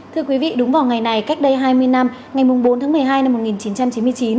thưa quý vị đúng vào ngày này cách đây hai mươi năm ngày bốn tháng một mươi hai năm một nghìn chín trăm chín mươi chín